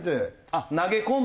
あっ投げ込んで？